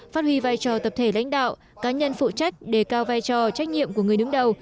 phát huy vai trò tập thể lãnh đạo cá nhân phụ trách đề cao vai trò trách nhiệm của người đứng đầu